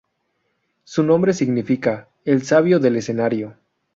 Su nombre significa "El sabio del escenario".